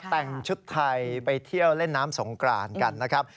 แต่งชุดไทยไปเที่ยวเล่นน้ำสงกรานกันนะครับ